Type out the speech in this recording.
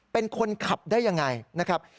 เป็นคนขับได้ยังไงนะครับ